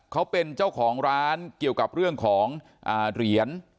เขาเป็นเจ้าของร้านเกี่ยวกับเรื่องของเหรียญ